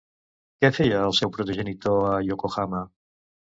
Què feia el seu progenitor a Yokohama?